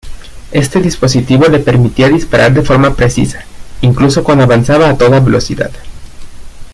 Este dispositivo le permitía disparar de forma precisa, incluso cuando avanzaba a toda velocidad.